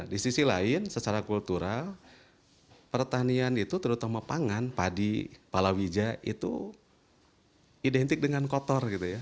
di sisi lain secara kultural pertanian itu terutama pangan padi palawija itu identik dengan kotor gitu ya